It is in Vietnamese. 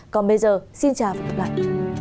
còn bây giờ xin chào và hẹn gặp lại